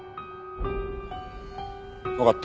わかった。